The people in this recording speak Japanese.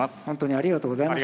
ありがとうございます。